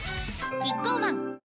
キッコーマン